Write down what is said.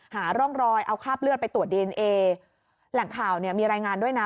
หาร่องรอยเอาคราบเลือดไปตรวจดีเอนเอแหล่งข่าวเนี่ยมีรายงานด้วยนะ